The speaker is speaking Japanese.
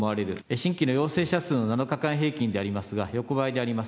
新規の陽性者数の７日間平均でありますが、横ばいであります。